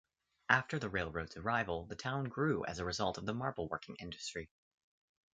After the railroad's arrival, the town grew as a result of the marble-working industry.